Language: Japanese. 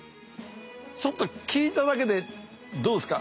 ちょっと聞いただけでどうですか？